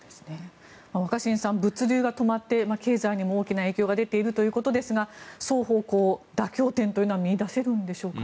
若新さん物流が止まって経済にも大きな影響が出ているということですが双方向で妥協点というのは見いだせるんでしょうかね。